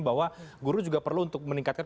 bahwa guru juga perlu untuk meningkatkan